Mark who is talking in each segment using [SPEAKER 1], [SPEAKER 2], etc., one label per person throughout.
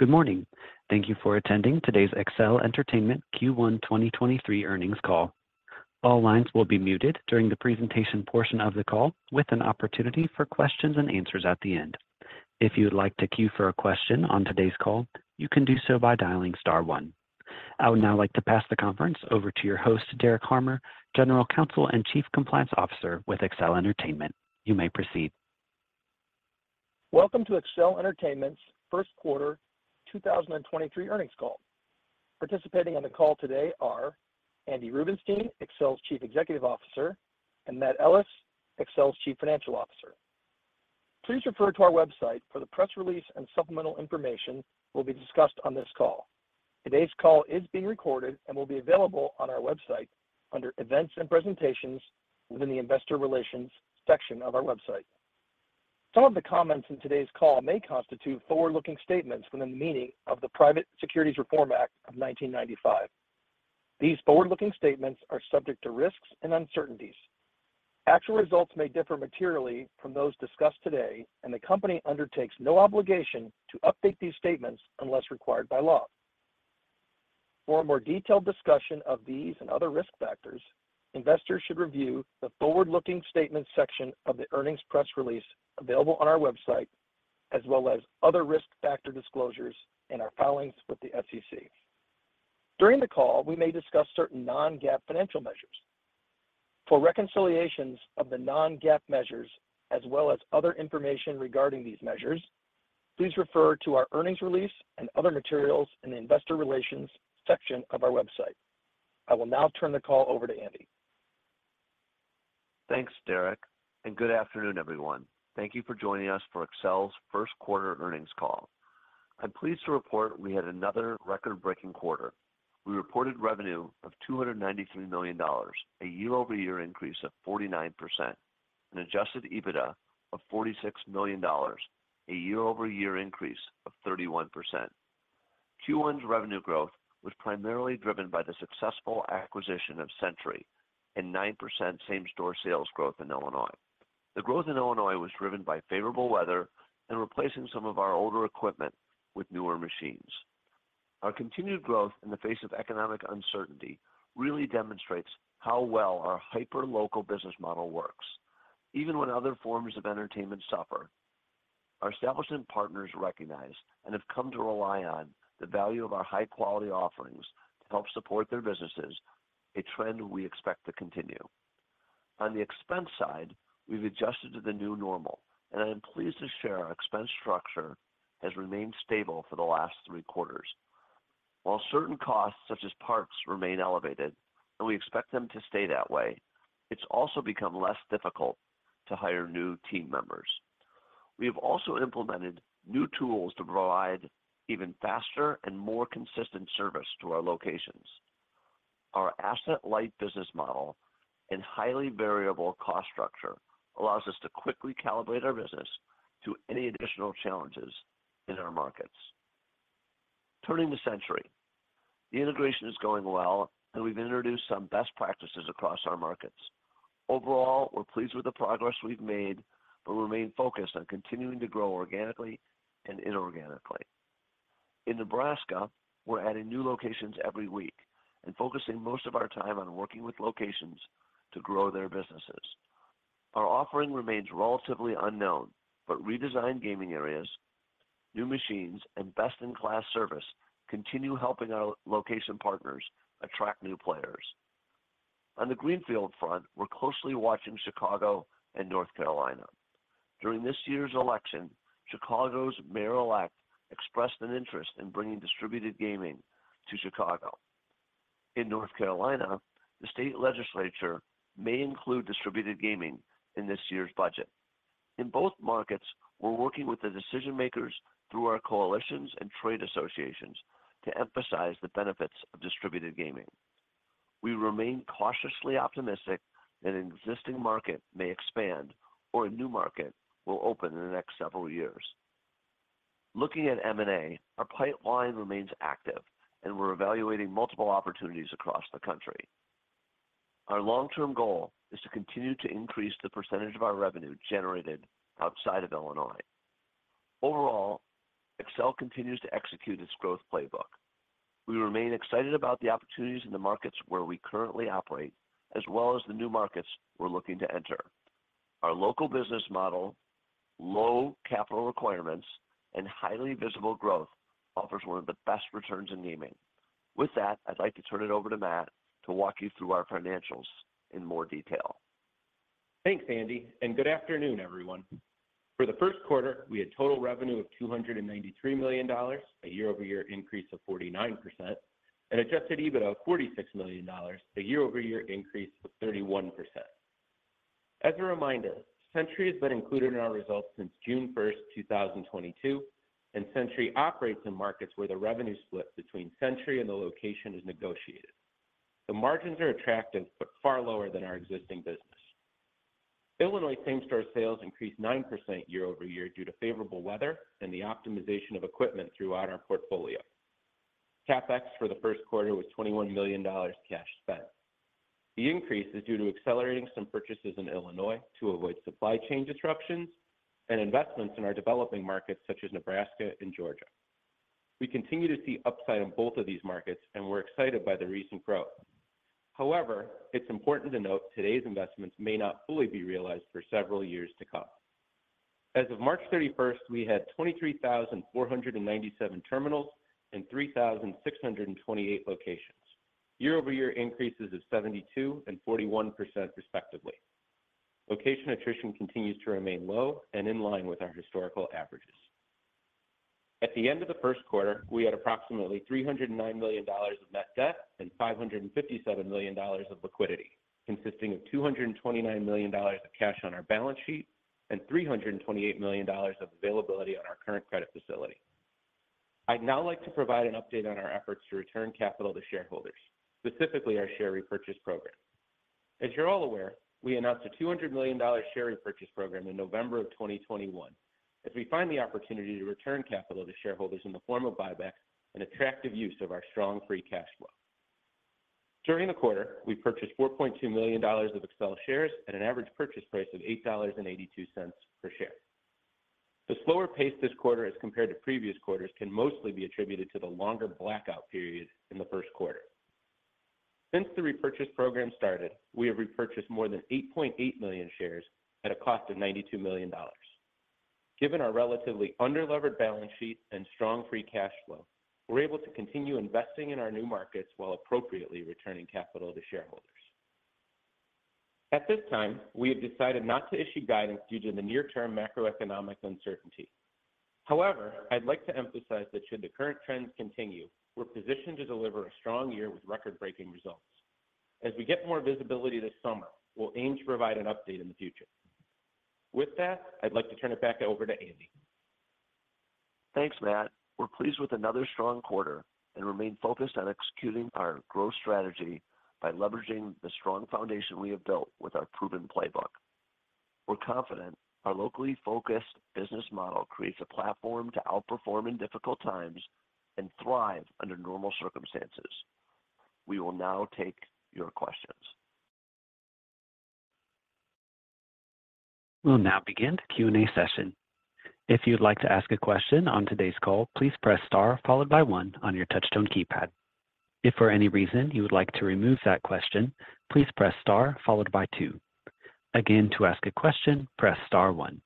[SPEAKER 1] Good morning. Thank you for attending today's Accel Entertainment Q1 2023 earnings call. All lines will be muted during the presentation portion of the call, with an opportunity for questions and answers at the end. If you'd like to queue for a question on today's call, you can do so by dialing star one. I would now like to pass the conference over to your host, Derek Harmer, General Counsel and Chief Compliance Officer with Accel Entertainment. You may proceed.
[SPEAKER 2] Welcome to Accel Entertainment's first quarter 2023 earnings call. Participating on the call today are Andy Rubenstein, Accel's Chief Executive Officer, and Matt Ellis, Accel's Chief Financial Officer. Please refer to our website for the press release and supplemental information will be discussed on this call. Today's call is being recorded and will be available on our website under Events and Presentations within the Investor Relations section of our website. Some of the comments in today's call may constitute forward-looking statements within the meaning of the Private Securities Litigation Reform Act of 1995. These forward-looking statements are subject to risks and uncertainties. Actual results may differ materially from those discussed today, and the company undertakes no obligation to update these statements unless required by law. For a more detailed discussion of these and other risk factors, investors should review the forward-looking statements section of the earnings press release available on our website, as well as other risk factor disclosures in our filings with the SEC. During the call, we may discuss certain non-GAAP financial measures. For reconciliations of the non-GAAP measures as well as other information regarding these measures, please refer to our earnings release and other materials in the Investor Relations section of our website. I will now turn the call over to Andy.
[SPEAKER 3] Thanks, Derek. Good afternoon, everyone. Thank you for joining us for Accel's first quarter earnings call. I'm pleased to report we had another record-breaking quarter. We reported revenue of $293 million, a year-over-year increase of 49%, an adjusted EBITDA of $46 million, a year-over-year increase of 31%. Q1's revenue growth was primarily driven by the successful acquisition of Century and 9% same-store sales growth in Illinois. The growth in Illinois was driven by favorable weather and replacing some of our older equipment with newer machines. Our continued growth in the face of economic uncertainty really demonstrates how well our hyperlocal business model works, even when other forms of entertainment suffer. Our establishment partners recognize and have come to rely on the value of our high-quality offerings to help support their businesses, a trend we expect to continue. On the expense side, we've adjusted to the new normal, and I am pleased to share our expense structure has remained stable for the last three quarters. While certain costs, such as parts, remain elevated, and we expect them to stay that way, it's also become less difficult to hire new team members. We have also implemented new tools to provide even faster and more consistent service to our locations. Our asset-light business model and highly variable cost structure allows us to quickly calibrate our business to any additional challenges in our markets. Turning to Century, the integration is going well and we've introduced some best practices across our markets. Overall, we're pleased with the progress we've made, but remain focused on continuing to grow organically and inorganically. In Nebraska, we're adding new locations every week and focusing most of our time on working with locations to grow their businesses. Our offering remains relatively unknown, but redesigned gaming areas, new machines, and best-in-class service continue helping our location partners attract new players. On the greenfield front, we're closely watching Chicago and North Carolina. During this year's election, Chicago's mayor-elect expressed an interest in bringing distributed gaming to Chicago. In North Carolina, the state legislature may include distributed gaming in this year's budget. In both markets, we're working with the decision-makers through our coalitions and trade associations to emphasize the benefits of distributed gaming. We remain cautiously optimistic that an existing market may expand or a new market will open in the next several years. Looking at M&A, our pipeline remains active and we're evaluating multiple opportunities across the country. Our long-term goal is to continue to increase the percentage of our revenue generated outside of Illinois. Overall, Accel continues to execute its growth playbook. We remain excited about the opportunities in the markets where we currently operate, as well as the new markets we're looking to enter. Our local business model, low capital requirements, and highly visible growth offers one of the best returns in gaming. With that, I'd like to turn it over to Matt to walk you through our financials in more detail.
[SPEAKER 4] Thanks, Andy, and good afternoon, everyone. For the first quarter, we had total revenue of $293 million, a year-over-year increase of 49% and adjusted EBITDA of $46 million, a year-over-year increase of 31%. As a reminder, Century has been included in our results since June 1, 2022. Century operates in markets where the revenue split between Century and the location is negotiated. The margins are attractive but far lower than our existing business. Illinois same-store sales increased 9% year-over-year due to favorable weather and the optimization of equipment throughout our portfolio. CapEx for the first quarter was $21 million cash spent. The increase is due to accelerating some purchases in Illinois to avoid supply chain disruptions and investments in our developing markets such as Nebraska and Georgia. We continue to see upside in both of these markets, and we're excited by the recent growth. However, it's important to note today's investments may not fully be realized for several years to come. As of March 31st, we had 23,497 terminals and 3,628 locations. Year-over-year increases of 72% and 41% respectively. Location attrition continues to remain low and in line with our historical averages. At the end of the first quarter, we had approximately $309 million of net debt and $557 million of liquidity, consisting of $229 million of cash on our balance sheet and $328 million of availability on our current credit facility. I'd now like to provide an update on our efforts to return capital to shareholders, specifically our share repurchase program. As you're all aware, we announced a $200 million share repurchase program in November of 2021 as we find the opportunity to return capital to shareholders in the form of buyback an attractive use of our strong free cash flow. During the quarter, we purchased $4.2 million of Accel shares at an average purchase price of $8.82 per share. The slower pace this quarter as compared to previous quarters can mostly be attributed to the longer blackout period in the first quarter. Since the repurchase program started, we have repurchased more than 8.8 million shares at a cost of $92 million. Given our relatively under-levered balance sheet and strong free cash flow, we're able to continue investing in our new markets while appropriately returning capital to shareholders. At this time, we have decided not to issue guidance due to the near-term macroeconomic uncertainty. However, I'd like to emphasize that should the current trends continue, we're positioned to deliver a strong year with record-breaking results. As we get more visibility this summer, we'll aim to provide an update in the future. With that, I'd like to turn it back over to Andy.
[SPEAKER 3] Thanks, Matt. We're pleased with another strong quarter and remain focused on executing our growth strategy by leveraging the strong foundation we have built with our proven playbook. We're confident our locally focused business model creates a platform to outperform in difficult times and thrive under normal circumstances. We will now take your questions.
[SPEAKER 1] We'll now begin the Q&A session. If you'd like to ask a question on today's call, please press star followed by one on your touch tone keypad. If for any reason you would like to remove that question, please press star followed by two. Again, to ask a question, press star one.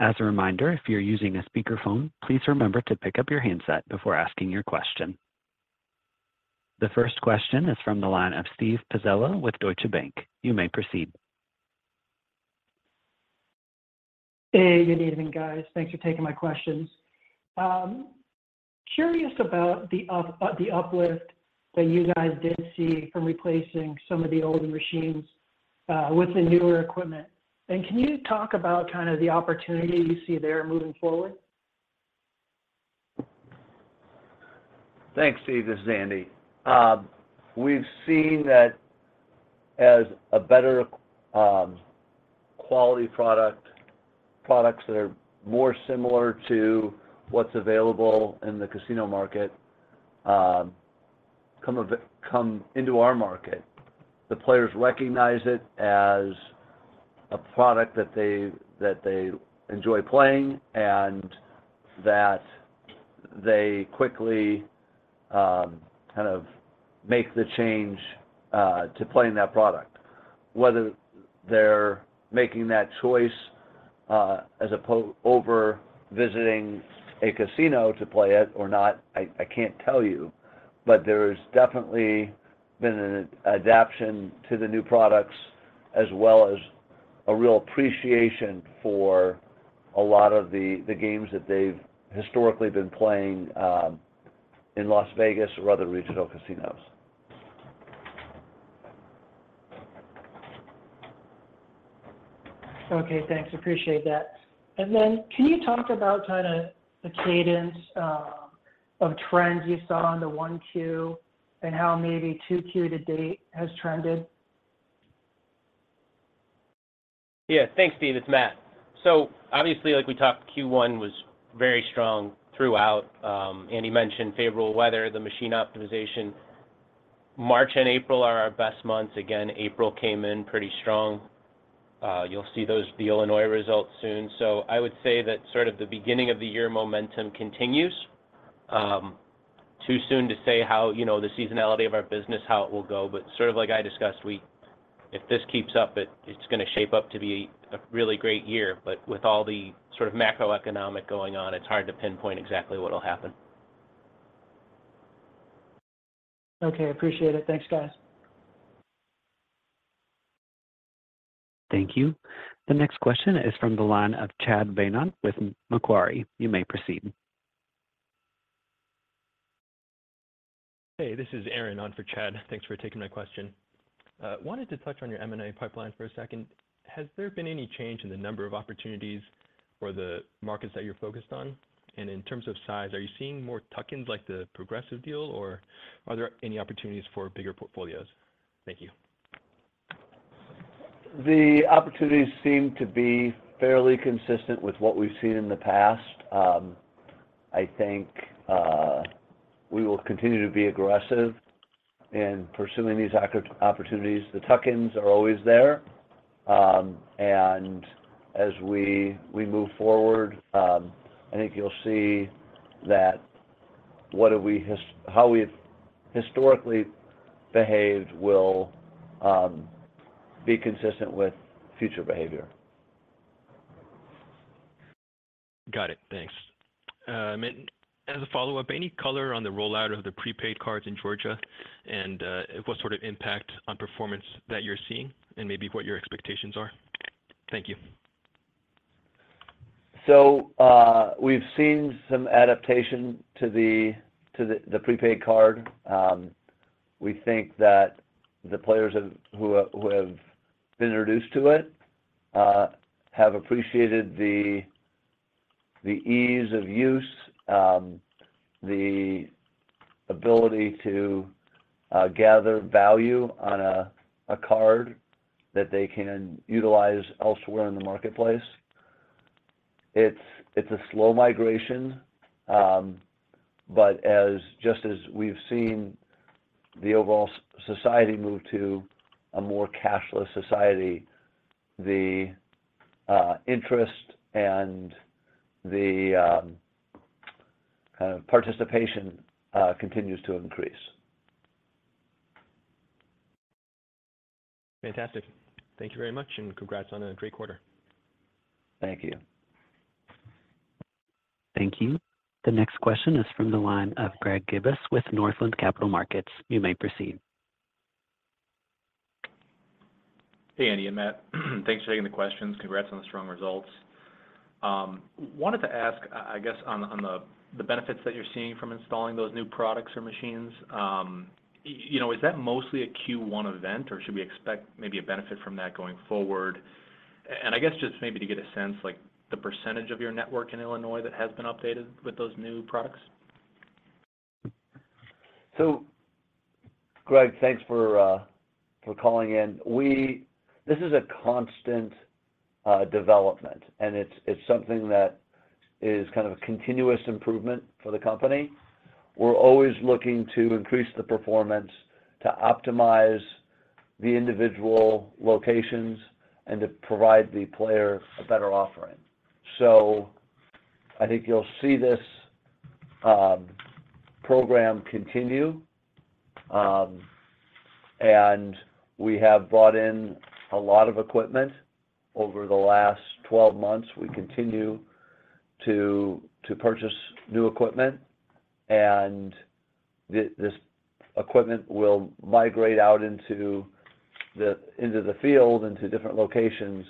[SPEAKER 1] As a reminder, if you're using a speakerphone, please remember to pick up your handset before asking your question. The first question is from the line of Steven Pizzella with Deutsche Bank. You may proceed.
[SPEAKER 5] Hey, good evening, guys. Thanks for taking my questions. Curious about the uplift that you guys did see from replacing some of the older machines, with the newer equipment. Can you talk about kind of the opportunity you see there moving forward?
[SPEAKER 3] Thanks, Steve. This is Andy. We've seen that as a better quality product, products that are more similar to what's available in the casino market, come into our market. The players recognize it as a product that they, that they enjoy playing and that they quickly kind of make the change to playing that product. Whether they're making that choice over visiting a casino to play it or not, I can't tell you, but there's definitely been an adaption to the new products as well as a real appreciation for a lot of the games that they've historically been playing in Las Vegas or other regional casinos.
[SPEAKER 5] Okay, thanks. Appreciate that. Then can you talk about kinda the cadence of trends you saw on the 1Q and how maybe 2Q to date has trended?
[SPEAKER 4] Thanks, Steve. It's Matt. Obviously, like we talked, Q1 was very strong throughout. Andy mentioned favorable weather, the machine optimization. March and April are our best months. Again, April came in pretty strong. You'll see the Illinois results soon. I would say that sort of the beginning of the year momentum continues. Too soon to say how, you know, the seasonality of our business, how it will go, but sort of like I discussed, if this keeps up, it's gonna shape up to be a really great year. With all the sort of macroeconomic going on, it's hard to pinpoint exactly what'll happen.
[SPEAKER 5] Okay. Appreciate it. Thanks, guys.
[SPEAKER 1] Thank you. The next question is from the line of Chad Beynon with Macquarie. You may proceed.
[SPEAKER 6] Hey, this is Aaron on for Chad. Thanks for taking my question. Wanted to touch on your M&A pipeline for a second. Has there been any change in the number of opportunities or the markets that you're focused on? In terms of size, are you seeing more tuck-ins like the Progressive deal, or are there any opportunities for bigger portfolios? Thank you.
[SPEAKER 3] The opportunities seem to be fairly consistent with what we've seen in the past. I think we will continue to be aggressive in pursuing these opportunities. The tuck-ins are always there. As we move forward, I think you'll see that what do we how we've historically behaved will be consistent with future behavior.
[SPEAKER 6] Got it. Thanks. As a follow-up, any color on the rollout of the prepaid cards in Georgia and what sort of impact on performance that you're seeing and maybe what your expectations are? Thank you.
[SPEAKER 3] We've seen some adaptation to the prepaid card. We think that the players who have been introduced to it, have appreciated the ease of use, the ability to gather value on a card that they can utilize elsewhere in the marketplace. It's a slow migration, but as just as we've seen the overall society move to a more cashless society, the interest and the participation continues to increase.
[SPEAKER 6] Fantastic. Thank you very much, and congrats on a great quarter.
[SPEAKER 3] Thank you.
[SPEAKER 1] Thank you. The next question is from the line of Greg Gibas with Northland Capital Markets. You may proceed.
[SPEAKER 7] Hey, Andy and Matt. Thanks for taking the questions. Congrats on the strong results. wanted to ask, I guess on the benefits that you're seeing from installing those new products or machines. you know, is that mostly a Q1 event, or should we expect maybe a benefit from that going forward? I guess just maybe to get a sense, like the percentage of your network in Illinois that has been updated with those new products.
[SPEAKER 3] Greg, thanks for calling in. This is a constant development, and it's something that is kind of a continuous improvement for the company. We're always looking to increase the performance to optimize the individual locations and to provide the player a better offering. I think you'll see this program continue, and we have brought in a lot of equipment over the last 12 months. We continue to purchase new equipment, and this equipment will migrate out into the field, into different locations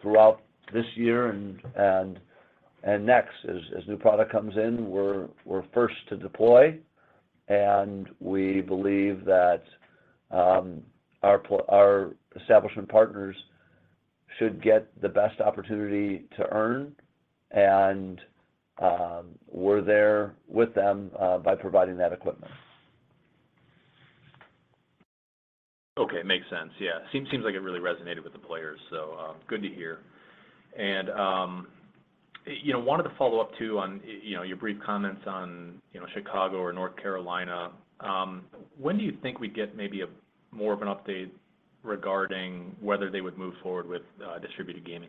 [SPEAKER 3] throughout this year and next. As new product comes in, we're first to deploy, and we believe that our establishment partners should get the best opportunity to earn, and we're there with them by providing that equipment.
[SPEAKER 7] Okay. Makes sense. Yeah. Seems like it really resonated with the players, so, good to hear. You know, wanted to follow up too on, you know, your brief comments on, you know, Chicago or North Carolina. When do you think we'd get maybe a more of an update regarding whether they would move forward with, distributed gaming?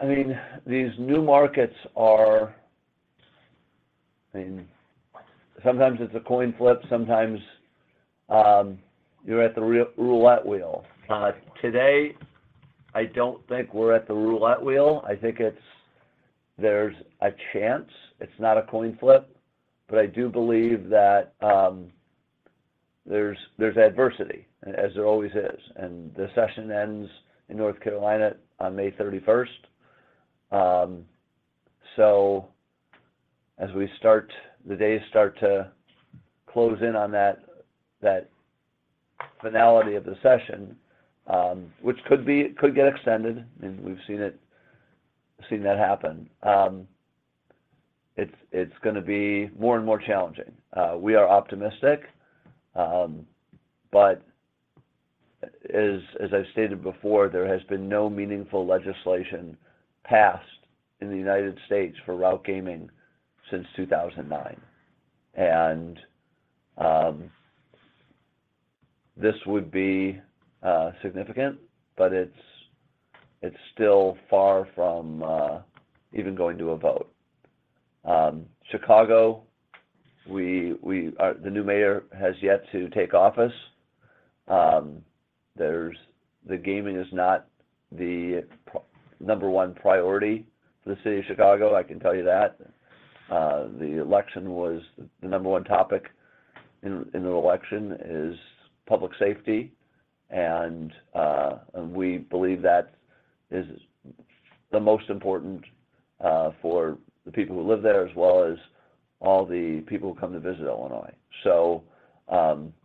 [SPEAKER 3] I mean, these new markets are... I mean, sometimes it's a coin flip, sometimes, you're at the roulette wheel. Today, I don't think we're at the roulette wheel. I think it's, there's a chance. It's not a coin flip, but I do believe that, there's adversity as there always is, and the session ends in North Carolina on May 31st. As we start, the days start to close in on that finality of the session, which could get extended, and we've seen that happen, it's gonna be more and more challenging. We are optimistic, but as I've stated before, there has been no meaningful legislation passed in the United States for route gaming since 2009. This would be significant, but it's still far from even going to a vote. Chicago, we are the new mayor has yet to take office. There's the gaming is not the number one priority for the city of Chicago, I can tell you that. The election was. The number one topic in an election is public safety, and we believe that is the most important for the people who live there as well as all the people who come to visit Illinois.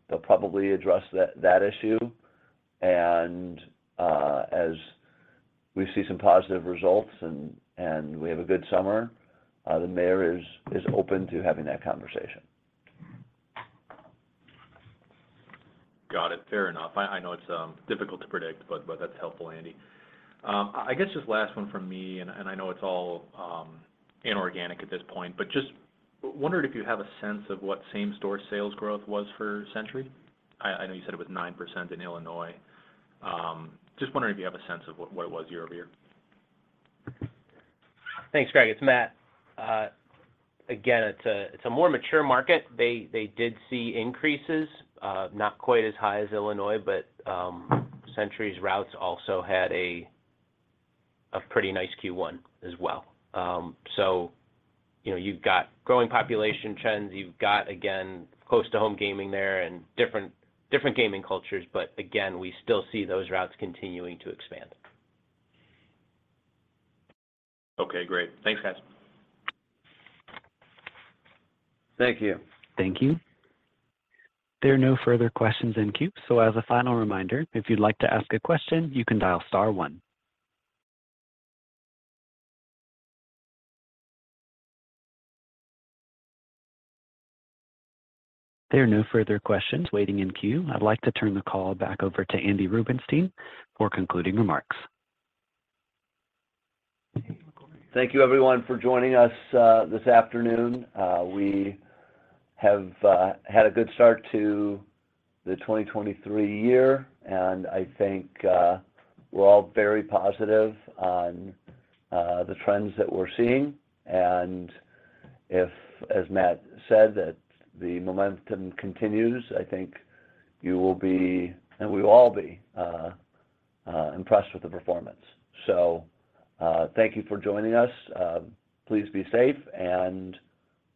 [SPEAKER 3] They'll probably address that issue and As we see some positive results and we have a good summer, the mayor is open to having that conversation.
[SPEAKER 7] Got it. Fair enough. I know it's difficult to predict, but that's helpful, Andy. I guess just last one from me, and I know it's all inorganic at this point, but just wondering if you have a sense of what same-store sales growth was for Century? I know you said it was 9% in Illinois. Just wondering if you have a sense of what it was year-over-year.
[SPEAKER 4] Thanks, Greg. It's Matt. Again, it's a, it's a more mature market. They, they did see increases, not quite as high as Illinois. Century's routes also had a pretty nice Q1 as well. You know, you've got growing population trends. You've got, again, close to home gaming there and different gaming cultures. Again, we still see those routes continuing to expand.
[SPEAKER 7] Okay, great. Thanks, guys.
[SPEAKER 3] Thank you.
[SPEAKER 1] Thank you. There are no further questions in queue. As a final reminder, if you'd like to ask a question, you can dial star one. There are no further questions waiting in queue. I'd like to turn the call back over to Andy Rubenstein for concluding remarks.
[SPEAKER 3] Thank you, everyone, for joining us this afternoon. We have had a good start to the 2023 year, and I think we're all very positive on the trends that we're seeing. If, as Matt said, that the momentum continues, I think you will be, and we will all be impressed with the performance. Thank you for joining us. Please be safe, and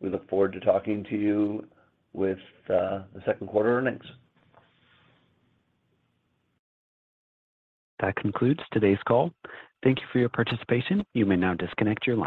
[SPEAKER 3] we look forward to talking to you with the second quarter earnings.
[SPEAKER 1] That concludes today's call. Thank you for your participation. You may now disconnect your line.